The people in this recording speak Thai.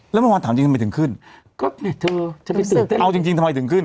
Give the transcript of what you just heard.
แล้วเมื่อวานถามจริงทำไมถึงขึ้นก็แม่โทรเอาจริงจริงทำไมถึงขึ้น